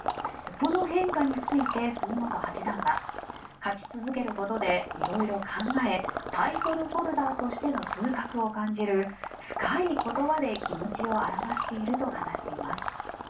この変化について杉本八段は勝ち続けることで色々考えタイトルホルダーとしての風格を感じる深い言葉で気持ちを表していると話しています。